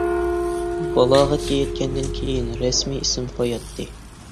بالاغەتكە يەتكەندىن كېيىن رەسمىي ئىسىم قوياتتى.